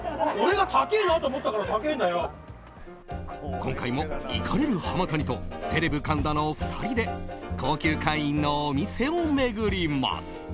今回も、怒れる浜谷とセレブ神田の２人で高級会員のお店を巡ります。